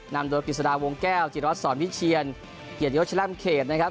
นำโดยปริศนาวงแก้วจิตรวจสอนพิเชียนเกียรติโยชน์แร่มเขตนะครับ